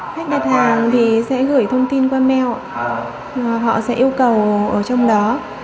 khách đặt hàng thì sẽ gửi thông tin qua mail họ sẽ yêu cầu ở trong đó